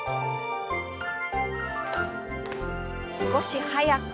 少し速く。